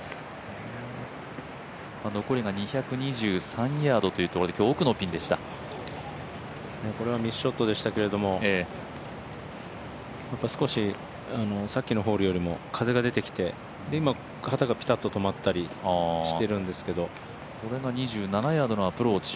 残りが２２３ヤードということでミスショットでしたけど少し、さっきのホールより風が出てきて今、旗がピタッと止まったりしているんですけどこれが２７ヤードのアプローチ。